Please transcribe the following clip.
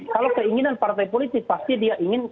kalau keinginan partai politik pasti dia ingin